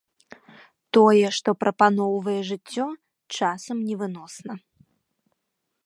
Тое, што прапаноўвае жыццё, часам невыносна.